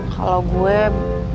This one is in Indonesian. kalau gue bakal